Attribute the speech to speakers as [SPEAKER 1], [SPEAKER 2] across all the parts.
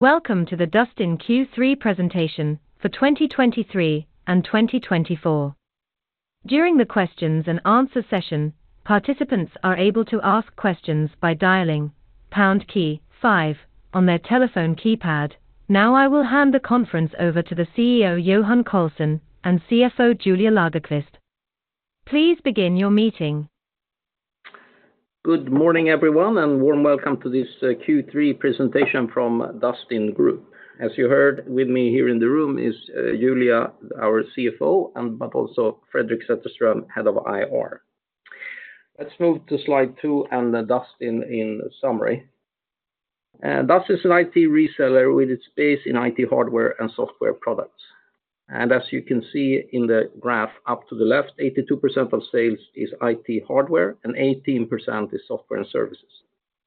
[SPEAKER 1] Welcome to the Dustin Q3 presentation for 2023 and 2024. During the questions and answer session, participants are able to ask questions by dialing pound key five on their telephone keypad. Now I will hand the conference over to the CEO, Johan Karlsson, and CFO, Julia Lagerqvist. Please begin your meeting.
[SPEAKER 2] Good morning, everyone, and warm welcome to this Q3 Presentation from Dustin Group. As you heard, with me here in the room is Julia, our CFO, and also Fredrik Zetterström, Head of IR. Let's move to slide 2 and the Dustin in summary. Dustin is an IT reseller with its base in IT hardware and software products. And as you can see in the graph up to the left, 82% of sales is IT hardware, and 18% is software and services.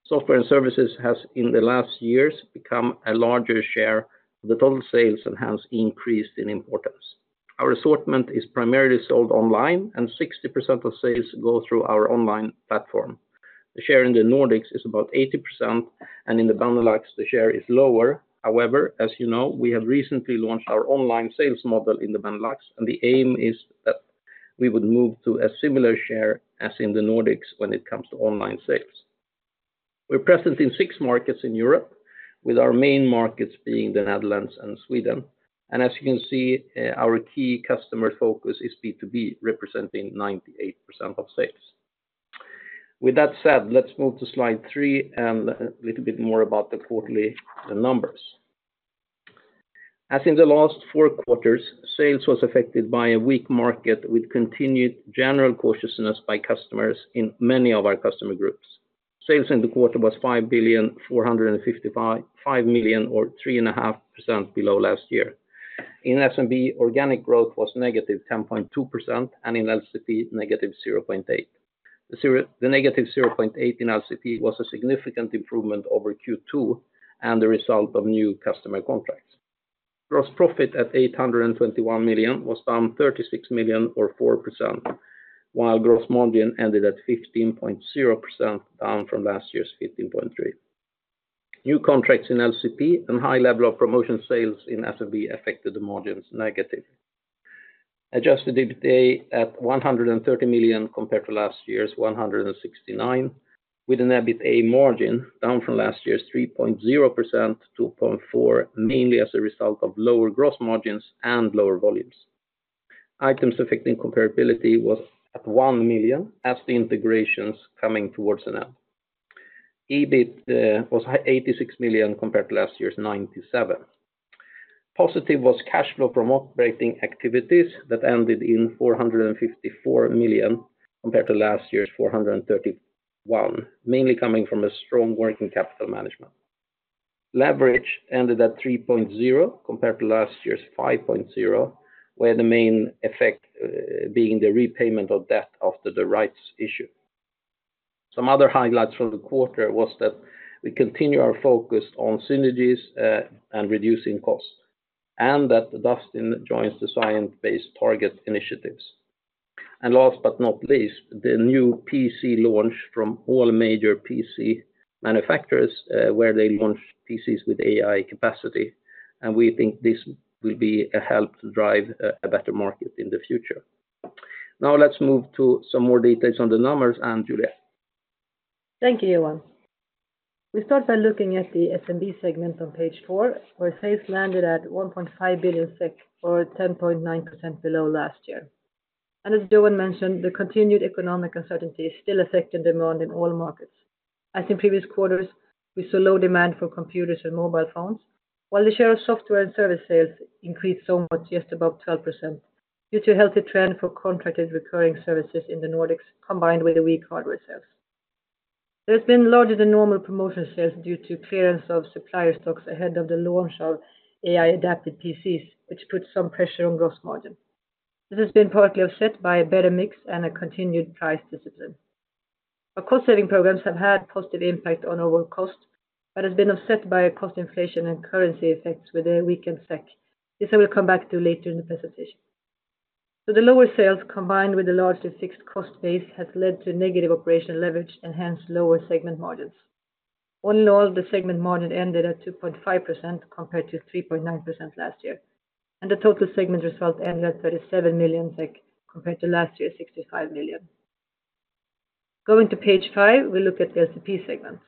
[SPEAKER 2] Software and services has, in the last years, become a larger share of the total sales and has increased in importance. Our assortment is primarily sold online, and 60% of sales go through our online platform. The share in the Nordics is about 80%, and in the Benelux, the share is lower. However, as you know, we have recently launched our online sales model in the Benelux, and the aim is that we would move to a similar share as in the Nordics when it comes to online sales. We're present in six markets in Europe, with our main markets being the Netherlands and Sweden. As you can see, our key customer focus is B2B, representing 98% of sales. With that said, let's move to slide 3 and a little bit more about the quarterly numbers. As in the last four quarters, sales was affected by a weak market, with continued general cautiousness by customers in many of our customer groups. Sales in the quarter was 5,455 million, or 3.5% below last year. In SMB, organic growth was -10.2%, and in LCP, -0.8%. The negative 0.8 in LCP was a significant improvement over Q2 and the result of new customer contracts. Gross profit at 821 million was down 36 million or 4%, while gross margin ended at 15.0%, down from last year's 15.3%. New contracts in LCP and high level of promotion sales in SMB affected the margins negatively. Adjusted EBITDA at 130 million, compared to last year's 169 million, with an EBITA margin down from last year's 3.0% to 2.4%, mainly as a result of lower gross margins and lower volumes. Items affecting comparability was at 1 million as the integration's coming towards an end. EBIT was 86 million, compared to last year's 97 million. Positive was cash flow from operating activities that ended in 454 million, compared to last year's 431 million, mainly coming from a strong working capital management. Leverage ended at 3.0, compared to last year's 5.0, where the main effect being the repayment of debt after the rights issue. Some other highlights from the quarter was that we continue our focus on synergies and reducing costs, and that Dustin joins the Science Based Targets initiative. And last but not least, the new PC launch from all major PC manufacturers, where they launch PCs with AI capacity, and we think this will be a help to drive a better market in the future. Now let's move to some more details on the numbers and Julia.
[SPEAKER 3] Thank you, Johan. We start by looking at the SMB segment on page 4, where sales landed at 1.5 billion, or 10.9% below last year. As Johan mentioned, the continued economic uncertainty is still affecting demand in all markets. As in previous quarters, we saw low demand for computers and mobile phones, while the share of software and service sales increased somewhat, just above 12%, due to a healthy trend for contracted recurring services in the Nordics, combined with the weak hardware sales. There's been larger than normal promotion sales due to clearance of supplier stocks ahead of the launch of AI-adapted PCs, which put some pressure on gross margin. This has been partly offset by a better mix and a continued price discipline. Our cost-saving programs have had positive impact on our cost, but has been offset by a cost inflation and currency effects with a weakened SEK. This I will come back to later in the presentation. So the lower sales, combined with the largely fixed cost base, has led to negative operational leverage and hence lower segment margins. All in all, the segment margin ended at 2.5%, compared to 3.9% last year, and the total segment result ended at 37 million SEK, compared to last year, 65 million SEK. Going to page 5, we look at the LCP segment.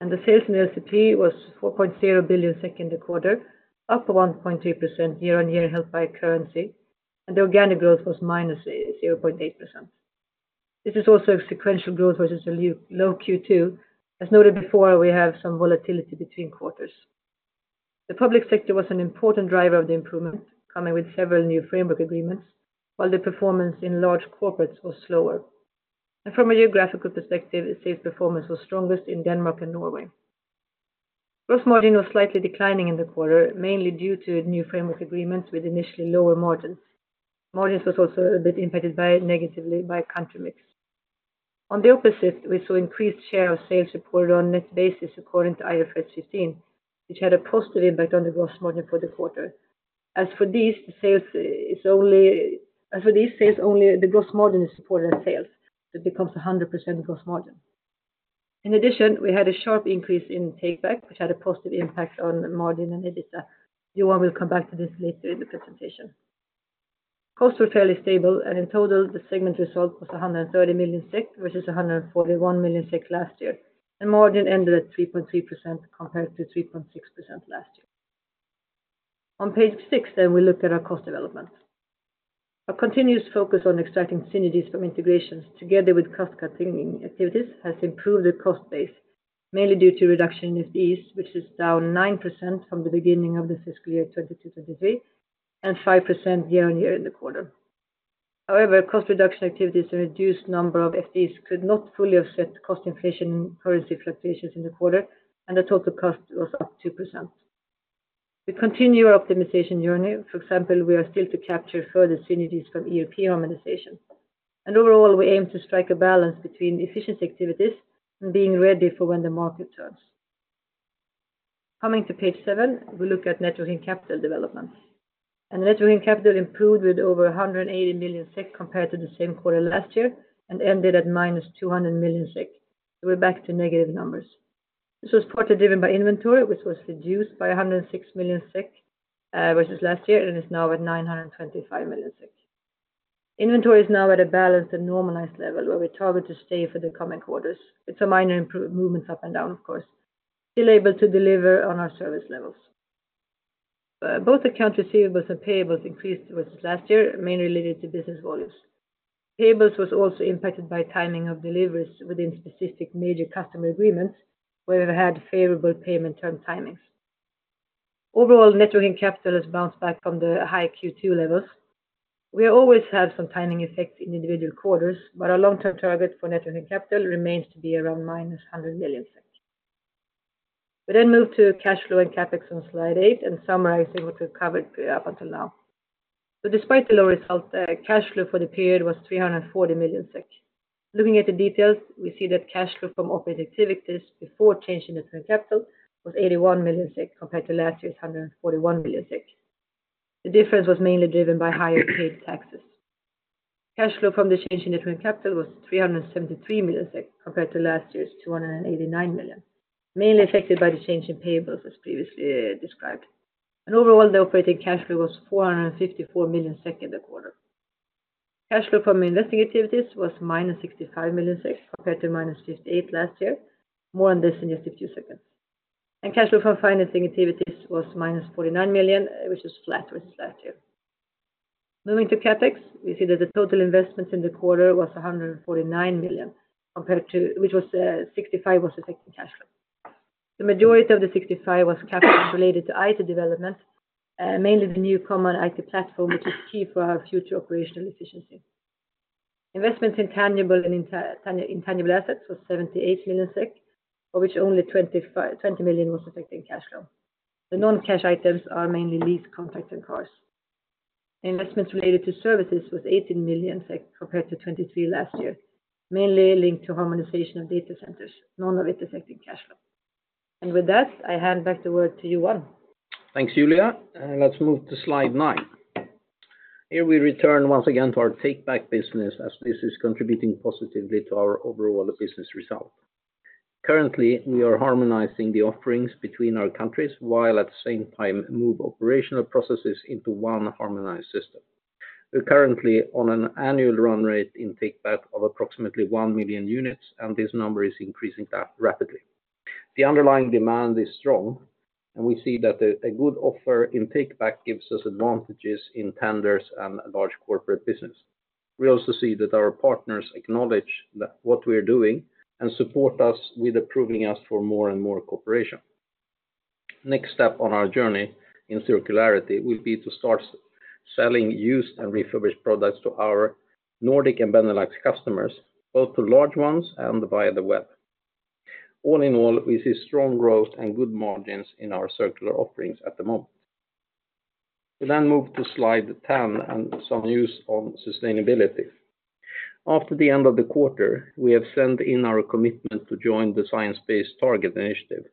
[SPEAKER 3] And the sales in the LCP was 4.0 billion SEK in the quarter, up 1.2% year-on-year, helped by currency, and the organic growth was minus 0.8%. This is also a sequential growth versus a low Q2. As noted before, we have some volatility between quarters. The public sector was an important driver of the improvement, coming with several new framework agreements, while the performance in large corporates was slower. And from a geographical perspective, the sales performance was strongest in Denmark and Norway. Gross margin was slightly declining in the quarter, mainly due to new framework agreements with initially lower margins. Margins was also a bit impacted by, negatively by country mix. On the opposite, we saw increased share of sales reported on net basis, according to IFRS 15, which had a positive impact on the gross margin for the quarter. As for these, the sales is only, as for these sales, only the gross margin is supported in sales, it becomes a 100% gross margin. In addition, we had a sharp increase in takeback, which had a positive impact on margin and EBITDA. Johan will come back to this later in the presentation. Costs were fairly stable, and in total, the segment result was 100 million, which is 141 million last year, and margin ended at 3.3%, compared to 3.6% last year. On page 6, then we look at our cost development. A continuous focus on extracting synergies from integrations together with cost-cutting activities has improved the cost base, mainly due to reduction in FTEs, which is down 9% from the beginning of the fiscal year 2022-2023, and 5% year-on-year in the quarter. However, cost reduction activities and reduced number of FDs could not fully offset cost inflation, currency fluctuations in the quarter, and the total cost was up 2%. We continue our optimization journey. For example, we are still to capture further synergies from ERP harmonization. Overall, we aim to strike a balance between efficiency activities and being ready for when the market turns. Coming to page 7, we look at net working capital development. Net working capital improved with over 180 million SEK compared to the same quarter last year, and ended at -200 million SEK. We're back to negative numbers. This was partly driven by inventory, which was reduced by 106 million versus last year, and is now at 925 million. Inventory is now at a balanced and normalized level, where we target to stay for the coming quarters. It's minor movements up and down, of course, still able to deliver on our service levels. Both accounts receivable and payables increased versus last year, mainly related to business volumes. Payables was also impacted by timing of deliveries within specific major customer agreements, where we had favorable payment term timings. Overall, net working capital has bounced back from the high Q2 levels. We always have some timing effects in individual quarters, but our long-term target for net working capital remains to be around minus 100 million SEK. We then move to cash flow and CapEx on slide 8, and summarize what we've covered up until now. So despite the low result, cash flow for the period was 340 million SEK. Looking at the details, we see that cash flow from operating activities before change in net working capital was 81 million, compared to last year's 141 million. The difference was mainly driven by higher paid taxes. Cash flow from the change in net working capital was 373 million SEK, compared to last year's 289 million, mainly affected by the change in payables, as previously described. And overall, the operating cash flow was 454 million SEK in the quarter. Cash flow from investing activities was -65 million SEK, compared to -58 million last year. More on this in just a few seconds. And cash flow from financing activities was -49 million, which is flat versus last year. Moving to CapEx, we see that the total investments in the quarter was 149 million, compared to which was 65 million affecting cash flow. The majority of the 65 million was capital related to IT development, mainly the new common IT platform, which is key for our future operational efficiency. Investments in tangible and intangible assets was 78 million SEK, of which only 20 million was affecting cash flow. The non-cash items are mainly lease, contract, and cars. Investments related to services was 18 million, compared to 23 million last year, mainly linked to harmonization of data centers, none of it affecting cash flow. And with that, I hand back the word to Johan.
[SPEAKER 2] Thanks, Julia. Let's move to slide 9. Here we return once again to our takeback business, as this is contributing positively to our overall business result. Currently, we are harmonizing the offerings between our countries, while at the same time, move operational processes into one harmonized system. We're currently on an annual run rate in takeback of approximately 1 million units, and this number is increasing rapidly. The underlying demand is strong, and we see that a good offer in takeback gives us advantages in tenders and large corporate business. We also see that our partners acknowledge that what we are doing and support us with approving us for more and more cooperation. Next step on our journey in circularity will be to start selling used and refurbished products to our Nordic and Benelux customers, both the large ones and via the web. All in all, we see strong growth and good margins in our circular offerings at the moment. We then move to slide 10 and some news on sustainability. After the end of the quarter, we have sent in our commitment to join the Science Based Targets initiative.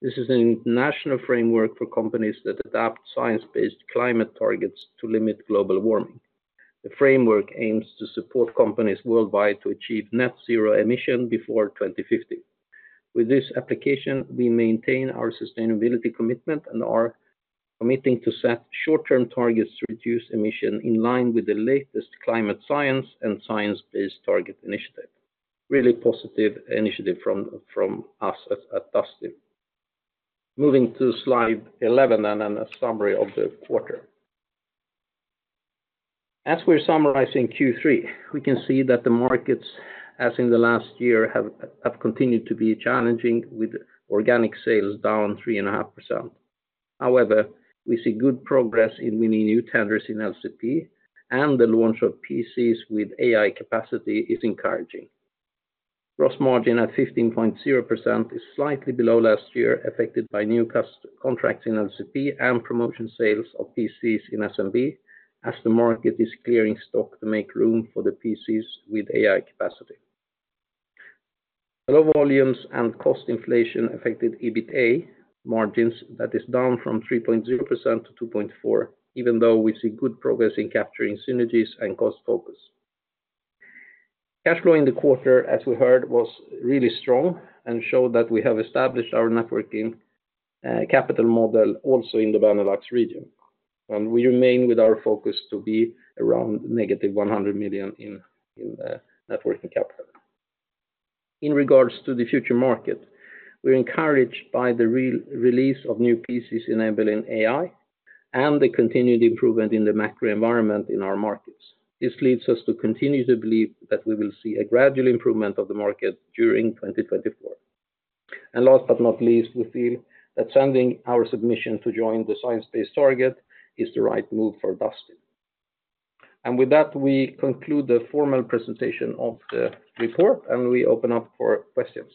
[SPEAKER 2] This is a national framework for companies that adapt science-based climate targets to limit global warming. The framework aims to support companies worldwide to achieve net zero emission before 2050. With this application, we maintain our sustainability commitment and are committing to set short-term targets to reduce emission in line with the latest climate science and Science Based Targets initiative. Really positive initiative from us at Dustin. Moving to slide 11, and then a summary of the quarter. As we're summarizing Q3, we can see that the markets, as in the last year, have continued to be challenging, with organic sales down 3.5%. However, we see good progress in winning new tenders in LCP, and the launch of PCs with AI capacity is encouraging. Gross margin at 15.0% is slightly below last year, affected by new customer contracts in LCP and promotion sales of PCs in SMB, as the market is clearing stock to make room for the PCs with AI capacity. Low volumes and cost inflation affected EBITDA margins that is down from 3.0% to 2.4%, even though we see good progress in capturing synergies and cost focus. Cash flow in the quarter, as we heard, was really strong and showed that we have established our net working capital model also in the Benelux region. And we remain with our focus to be around -100 million in net working capital. In regards to the future market, we're encouraged by the re-release of new PCs enabling AI and the continued improvement in the macro environment in our markets. This leads us to continue to believe that we will see a gradual improvement of the market during 2024. And last but not least, we feel that sending our submission to join the Science Based Targets is the right move for Dustin. And with that, we conclude the formal presentation of the report, and we open up for questions.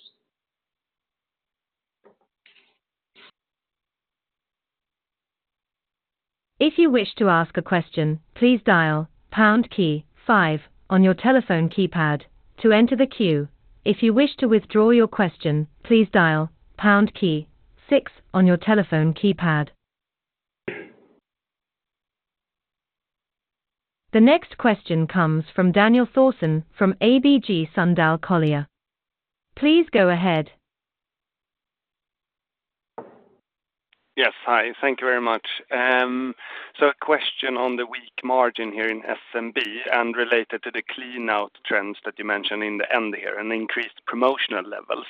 [SPEAKER 1] If you wish to ask a question, please dial pound key five on your telephone keypad to enter the queue. If you wish to withdraw your question, please dial pound key six on your telephone keypad. The next question comes from Daniel Thorsson from ABG Sundal Collier. Please go ahead.
[SPEAKER 4] Yes, hi. Thank you very much. So a question on the weak margin here in SMB and related to the clean out trends that you mentioned in the end here, and increased promotional levels.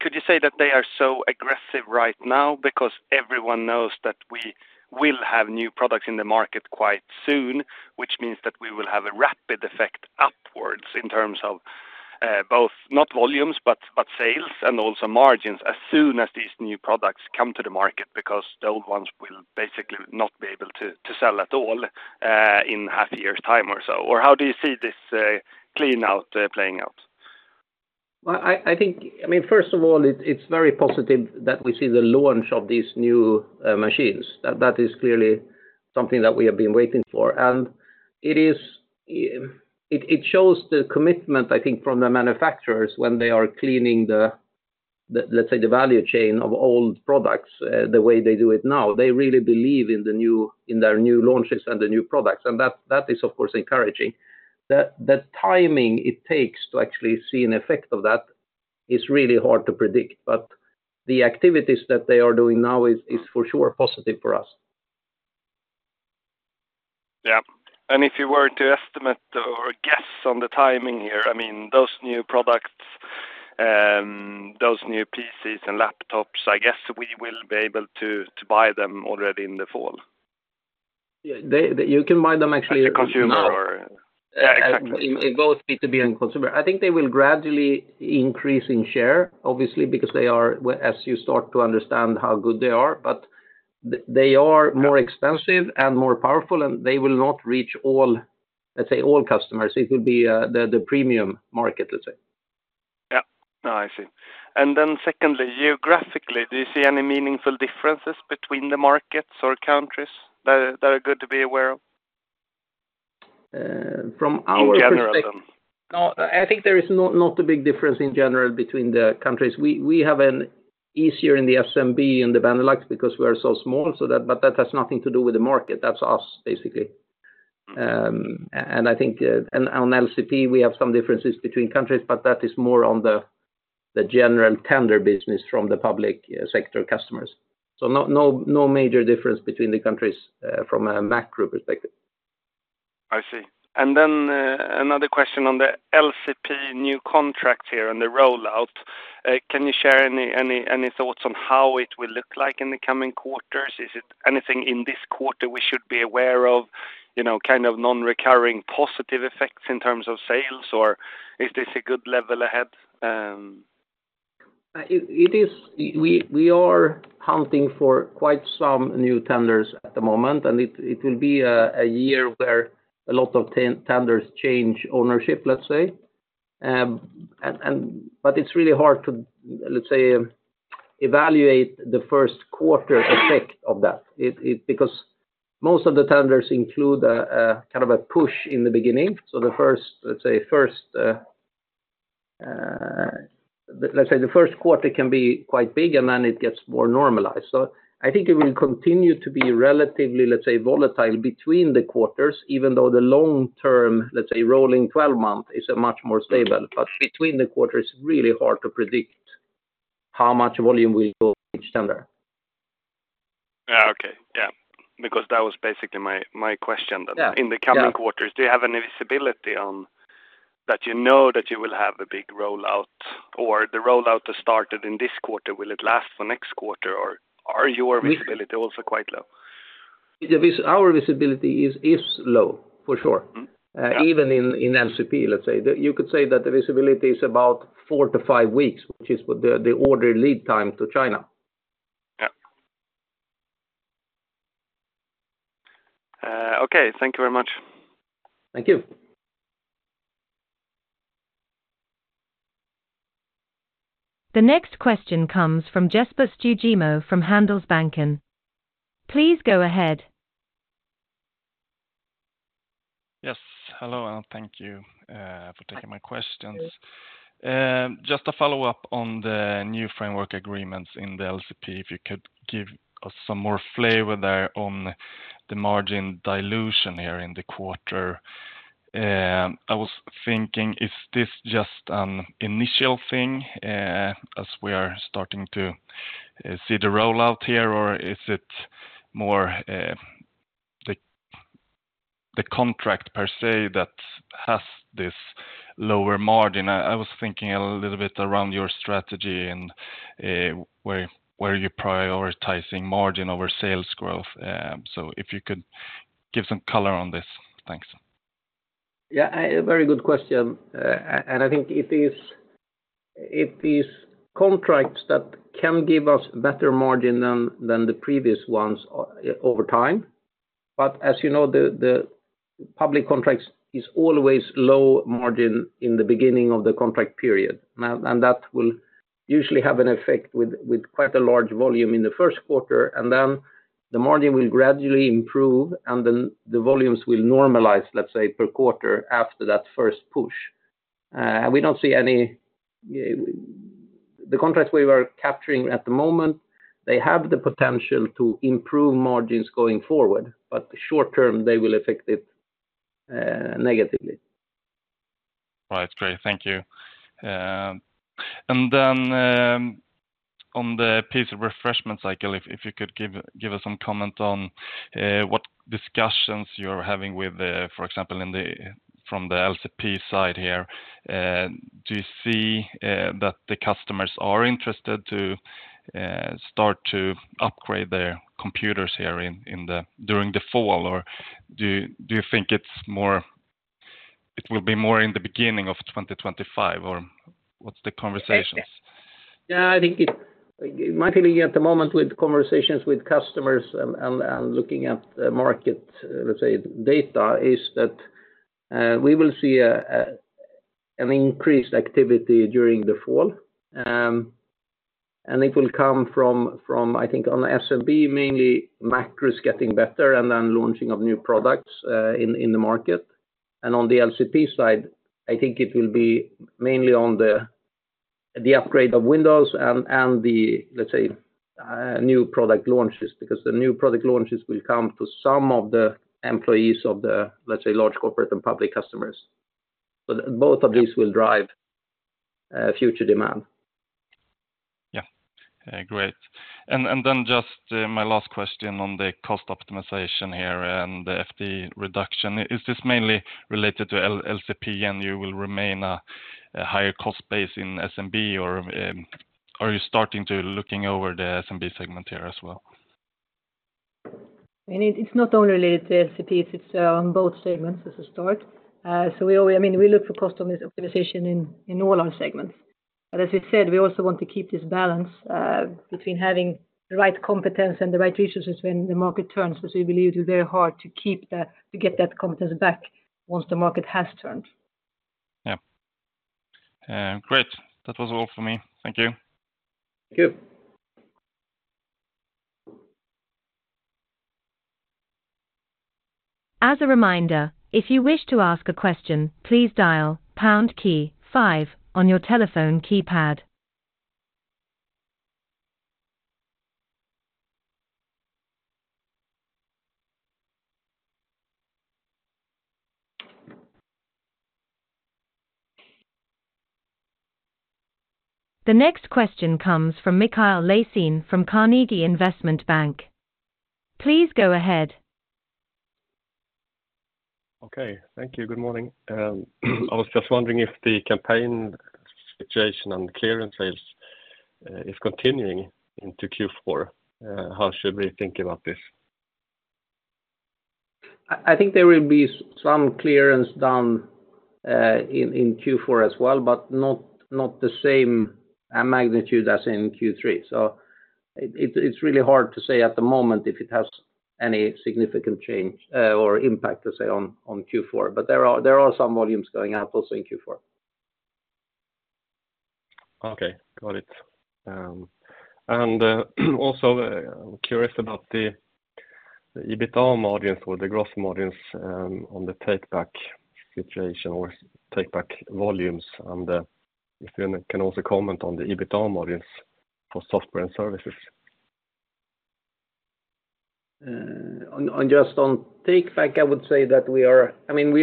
[SPEAKER 4] Could you say that they are so aggressive right now because everyone knows that we will have new products in the market quite soon, which means that we will have a rapid effect upwards in terms of both not volumes, but, but sales and also margins, as soon as these new products come to the market, because the old ones will basically not be able to, to sell at all in half a year's time or so? Or how do you see this clean out playing out?
[SPEAKER 2] Well, I think, I mean, first of all, it's very positive that we see the launch of these new machines. That is clearly something that we have been waiting for, and it shows the commitment, I think, from the manufacturers when they are cleaning the value chain of old products the way they do it now. They really believe in their new launches and the new products, and that is, of course, encouraging. The timing it takes to actually see an effect of that is really hard to predict, but the activities that they are doing now is for sure positive for us.
[SPEAKER 4] Yeah. And if you were to estimate or guess on the timing here, I mean, those new products, those new PCs and laptops, I guess we will be able to buy them already in the fall.
[SPEAKER 2] Yeah, you can buy them actually-
[SPEAKER 4] As a consumer or... Yeah, exactly.
[SPEAKER 2] In both B2B and consumer. I think they will gradually increase in share, obviously, because they are, well, as you start to understand how good they are, but they are more expensive and more powerful, and they will not reach all, let's say, all customers. It will be the premium market, let's say.
[SPEAKER 4] Yeah. No, I see. And then secondly, geographically, do you see any meaningful differences between the markets or countries that are good to be aware of?
[SPEAKER 2] From our-
[SPEAKER 4] In general then.
[SPEAKER 2] No, I think there is not a big difference in general between the countries. We have an easier in the SMB in the Benelux because we are so small, so that, but that has nothing to do with the market. That's us, basically. And I think, and on LCP, we have some differences between countries, but that is more on the general tender business from the public sector customers. So no, no, no major difference between the countries, from a macro perspective.
[SPEAKER 4] I see. And then another question on the LCP new contract here and the rollout. Can you share any thoughts on how it will look like in the coming quarters? Is it anything in this quarter we should be aware of, you know, kind of non-recurring positive effects in terms of sales, or is this a good level ahead?
[SPEAKER 2] It is. We are hunting for quite some new tenders at the moment, and it will be a year where a lot of tenders change ownership, let's say. But it's really hard to, let's say, evaluate the first quarter effect of that. Because most of the tenders include a kind of push in the beginning. So the first quarter can be quite big, and then it gets more normalized. So I think it will continue to be relatively, let's say, volatile between the quarters, even though the long term rolling 12-month is a much more stable. But between the quarters, it's really hard to predict how much volume will go each tender.
[SPEAKER 4] Yeah, okay. Yeah, because that was basically my, my question.
[SPEAKER 2] Yeah.
[SPEAKER 4] In the coming quarters, do you have any visibility on that you know that you will have a big rollout or the rollout that started in this quarter, will it last for next quarter, or are your visibility also quite low?
[SPEAKER 2] Our visibility is low, for sure. Even in LCP, let's say. You could say that the visibility is about 4-5 weeks, which is what the order lead time to China.
[SPEAKER 4] Yeah. Okay. Thank you very much.
[SPEAKER 2] Thank you.
[SPEAKER 1] The next question comes from Jesper Stugemo, from Handelsbanken. Please go ahead.
[SPEAKER 5] Yes. Hello, and thank you for taking my questions. Just to follow up on the new framework agreements in the LCP, if you could give us some more flavor there on the margin dilution here in the quarter. I was thinking, is this just an initial thing, as we are starting to see the rollout here? Or is it more, the contract per se, that has this lower margin? I was thinking a little bit around your strategy and, where you're prioritizing margin over sales growth. So if you could give some color on this. Thanks.
[SPEAKER 2] Yeah, a very good question. And I think it is contracts that can give us better margin than the previous ones over time. But as you know, the public contracts is always low margin in the beginning of the contract period. Now, and that will usually have an effect with quite a large volume in the first quarter, and then the margin will gradually improve, and then the volumes will normalize, let's say, per quarter after that first push. We don't see any. The contracts we were capturing at the moment, they have the potential to improve margins going forward, but short term, they will affect it negatively.
[SPEAKER 5] All right, great. Thank you. And then, on the PC refreshment cycle, if you could give us some comment on what discussions you're having with the, for example, from the LCP side here. Do you see that the customers are interested to start to upgrade their computers here during the fall? Or do you think it's more, it will be more in the beginning of 2025, or what's the conversations?
[SPEAKER 2] Yeah, I think it, my feeling at the moment with conversations with customers and looking at the market let's say data, is that we will see an increased activity during the fall. And it will come from I think, on the SMB, mainly macro is getting better and then launching of new products in the market. And on the LCP side, I think it will be mainly on the upgrade of Windows and the, let's say, new product launches. Because the new product launches will come to some of the employees of the, let's say, large corporate and public customers. But both of these will drive future demand.
[SPEAKER 5] Yeah. Great. And then just my last question on the cost optimization here and the FD reduction. Is this mainly related to LCP, and you will remain a higher cost base in SMB, or are you starting to looking over the SMB segment here as well?
[SPEAKER 3] I mean, it's not only related to LCP, it's on both segments as a start. So we always, I mean, we look for cost optimization in all our segments. But as we said, we also want to keep this balance between having the right competence and the right resources when the market turns, because we believe it's very hard to keep that, to get that competence back once the market has turned.
[SPEAKER 5] Yeah. Great. That was all for me. Thank you.
[SPEAKER 2] Thank you.
[SPEAKER 1] As a reminder, if you wish to ask a question, please dial pound key five on your telephone keypad. The next question comes from Mikael Laséen from Carnegie Investment Bank. Please go ahead.
[SPEAKER 6] Okay. Thank you, good morning. I was just wondering if the campaign situation on clearance sales is continuing into Q4. How should we think about this?
[SPEAKER 2] I think there will be some clearance done in Q4 as well, but not the same magnitude as in Q3. So it's really hard to say at the moment if it has any significant change or impact, let's say, on Q4. But there are some volumes going out also in Q4.
[SPEAKER 6] Okay, got it. And also, I'm curious about the EBITDA margins or the gross margins on the takeback situation or takeback volumes. And if you can also comment on the EBITDA margins for software and services.
[SPEAKER 2] On, on, just on takeback, I would say that we are. I mean, we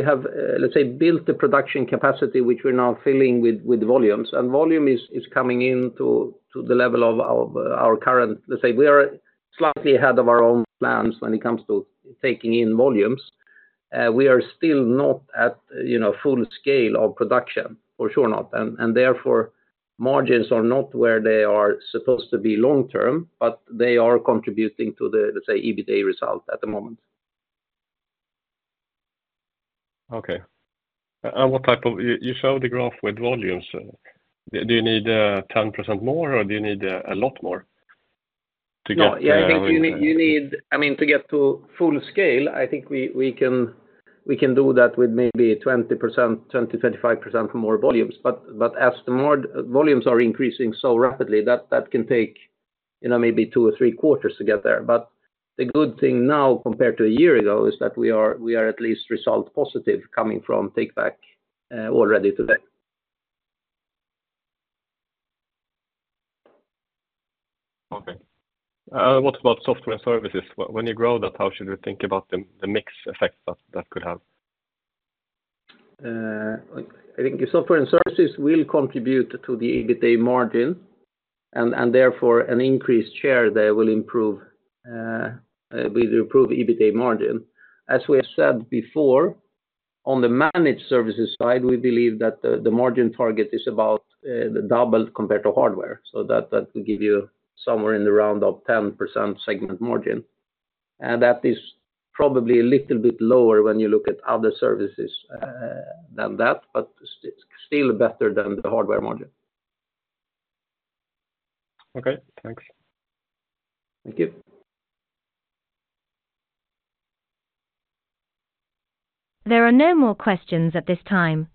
[SPEAKER 2] have, let's say, built the production capacity, which we're now filling with volumes. And volume is coming in to the level of our current, let's say, we are slightly ahead of our own plans when it comes to taking in volumes. We are still not at, you know, full scale of production, for sure not. And therefore, margins are not where they are supposed to be long term, but they are contributing to the, let's say, EBITDA result at the moment.
[SPEAKER 6] Okay. And what type of- You showed the graph with volumes. Do you need 10% more, or do you need a lot more to get?
[SPEAKER 2] Yeah, I think you need... I mean, to get to full scale, I think we can do that with maybe 20%, 20%-25% more volumes. But as the more volumes are increasing so rapidly, that can take, you know, maybe two or three quarters to get there. But the good thing now, compared to a year ago, is that we are at least result positive coming from takeback already today.
[SPEAKER 6] Okay. What about software and services? When you grow that, how should we think about the mix effect that could have?
[SPEAKER 2] I think software and services will contribute to the EBITDA margin, and therefore an increased share there will improve EBITDA margin. As we have said before, on the managed services side, we believe that the margin target is about the double compared to hardware. So that will give you somewhere in the round of 10% segment margin. And that is probably a little bit lower when you look at other services than that, but still better than the hardware margin.
[SPEAKER 6] Okay, thanks.
[SPEAKER 2] Thank you.
[SPEAKER 1] There are no more questions at this time,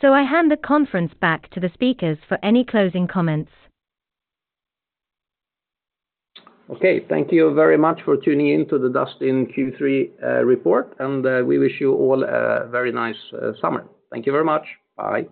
[SPEAKER 1] so I hand the conference back to the speakers for any closing comments.
[SPEAKER 2] Okay. Thank you very much for tuning in to the Dustin Q3 report, and we wish you all a very nice summer. Thank you very much. Bye.